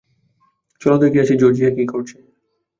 চলো দেখে আসি জর্জিয়া কি করছে?